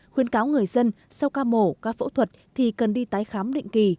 khuyên cáo người dân sau ca mổ ca phẫu thuật thì cần đi tái khám định kỳ